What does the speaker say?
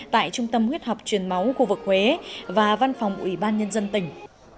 tại trung tâm huyết học truyền máu khu vực huế và văn phòng ủy ban nhân dân tỉnh